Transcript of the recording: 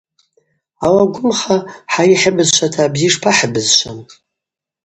Ауи агвымха хӏара йхӏыбызшвата абзи шпахӏыбызшвам.